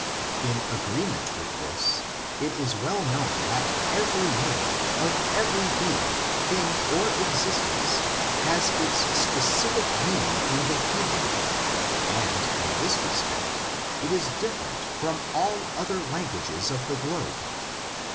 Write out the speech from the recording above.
In agreement with this, it is well known that every name, of every being, thing, or existence, has its spe cifie meaning in the Hebrew, and, in this respect, it is different from all other languages of the globe.